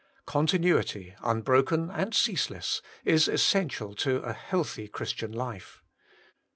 Continnity, Tin Ixoken and ceaseless, is essential to a healthy Quktian life.